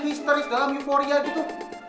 histeris dalam euforia gitu